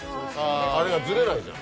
あれがずれないじゃん。